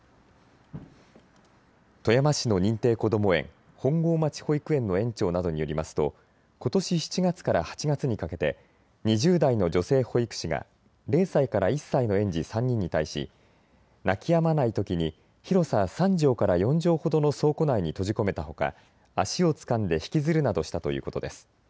富山市の認定こども園、本郷町保育園の園長などによりますと、ことし７月から８月にかけて２０代の女性保育士が０歳から１歳の園児３人に対し泣きやまないときに広さ３畳から４畳ほどの倉庫内に閉じ込めたほか、足をつかんで引きずるなどしたということです。